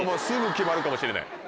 すぐ決まるかもしれない。